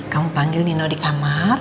kamu panggil nino di kamar